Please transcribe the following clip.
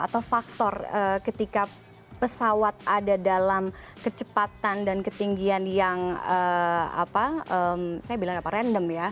atau faktor ketika pesawat ada dalam kecepatan dan ketinggian yang random ya